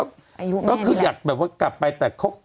อายุแม่นแล้วก็คืออยากแบบว่ากลับไปแต่คก